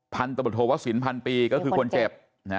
พันธุ์โทษศิลป์พันปีก็คือคนเจ็บ